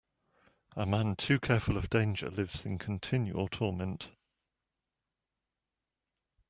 A man too careful of danger lives in continual torment.